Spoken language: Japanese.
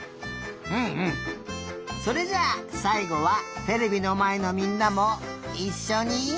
うんうんそれじゃあさいごはテレビのまえのみんなもいっしょに。